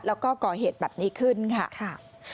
แล้วก็ก่อเหตุแบบนี้ขึ้นค่ะ